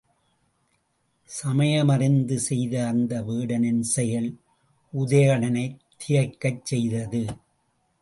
சமயமறிந்து செய்த அந்த வேடனின் செயல் உதயணனைத் திகைக்கச் செய்தது.